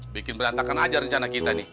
bikin berantakan aja rencana kita nih